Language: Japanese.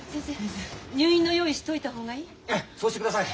ええそうしてください。